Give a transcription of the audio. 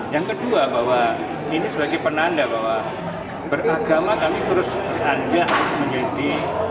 yang kedua bahwa ini sebagai penanda bahwa beragama kami terus beranjak menjadi